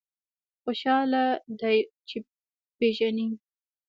خوشاله دی چې وپېژني.